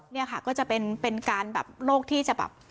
เนี่ยค่ะก็จะเป็นการโรคที่จะแบบ